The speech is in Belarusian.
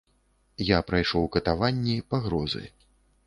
Я прайшоў катаванні, пагрозы.